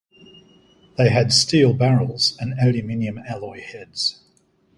They had steel barrels and aluminium alloy heads.